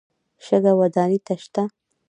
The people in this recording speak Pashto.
شګه ودانۍ ته شته.